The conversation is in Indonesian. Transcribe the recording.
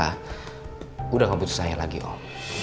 sudah tidak butuh saya lagi om